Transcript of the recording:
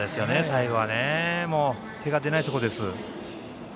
最後は手が出ないところです。